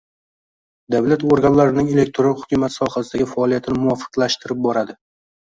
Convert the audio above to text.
davlat organlarining elektron hukumat sohasidagi faoliyatini muvofiqlashtirib boradi;